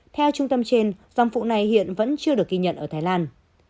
theo trung tâm trên dòng phụ này hiện vẫn chưa được ghi nhận ở thái lan